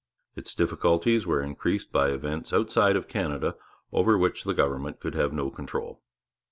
Its difficulties were increased by events outside of Canada over which the government could have no control.